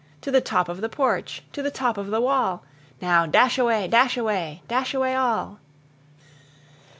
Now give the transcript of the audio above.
To the top of the porch! to the top of the wall! Now dash away! dash away! dash away all!"